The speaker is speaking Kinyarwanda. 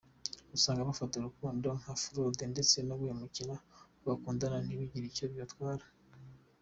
Usanga bafata urukundo nka fraude ndetse no guhemukira abo bakunda ntibigire icyo bibatwara.